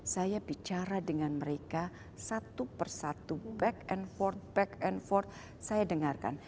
saya bicara dengan mereka satu persatu back and fort back and fort saya dengarkan